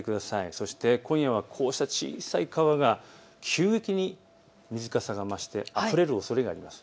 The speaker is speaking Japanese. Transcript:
そして今夜はこうした小さい川が急激に水かさが増してあふれるおそれがあります。